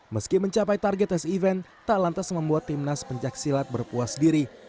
meski mencapai target s event tak lantas membuat tim nas pencak silat berpuas diri